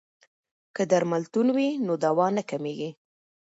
که درملتون وي نو دوا نه کمیږي.